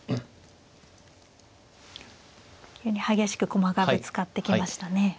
急に激しく駒がぶつかってきましたね。